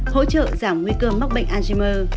hỗ trợ giảm nguy cơ mắc bệnh alzheimer